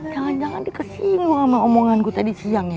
jangan jangan dia kesingung sama omongan gue tadi siang ye